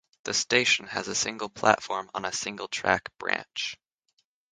The station has a single platform on a single track branch.